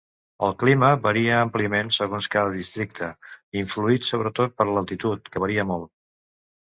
El clima varia àmpliament segons cada districte, influït sobretot per l'altitud que varia molt.